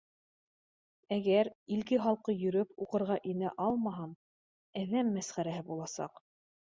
Әгәр илке-һалҡы йөрөп, уҡырға инә алмаһам, әҙәм мәсхәрәһе буласаҡ.